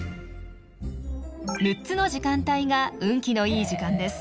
６つの時間帯が運気のいい時間です。